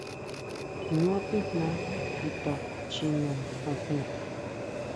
Jñá tijna chuta chjine xujun.